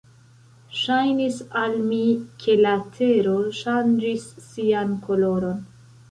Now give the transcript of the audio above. Ŝajnis al mi, ke la tero ŝanĝis sian koloron.